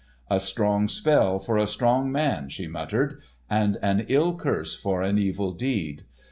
"A strong spell for a strong man," she muttered, "and an ill curse for an evil deed.